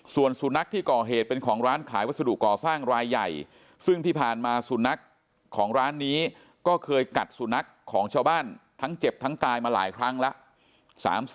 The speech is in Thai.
ส่วนสุนัขที่ก่อเหตุเป็นของร้านขายวัสดุก่อสร้างรายใหญ่ซึ่งที่ผ่านมาสุนัขของร้านนี้ก็เคยกัดสุนัขของชาวบ้านทั้งเจ็บทั้งตายมาหลายครั้งแล้ว